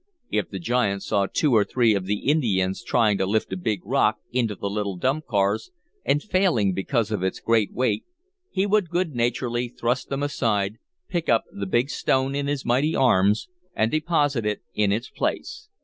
If the giant saw two or three of the Indians trying to lift a big rock into the little dump cars, and failing because of its great weight, he would good naturedly thrust them aside, pick up the big stone in his mighty arms, and deposit it in its place.